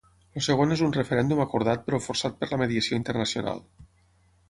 El segon és un referèndum acordat però forçat per la mediació internacional.